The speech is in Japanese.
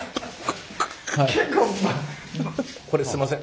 これすんません。